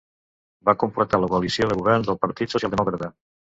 Va completar la coalició de govern el Partit Socialdemòcrata.